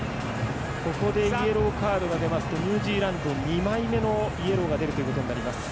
ここでイエローカードが出ますとニュージーランドは２枚目のイエローが出ることになります。